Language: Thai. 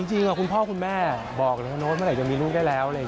จริงคุณพ่อคุณแม่บอกน้องโน้นเมื่อไหร่จะมีลูกได้แล้ว